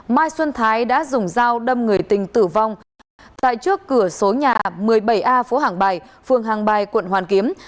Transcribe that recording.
mai xuân thái đã dùng dao đâm người tình tử vong tại trước cửa số nhà một mươi bảy a phố hàng bài phường hàng bài quận hoàn kiếm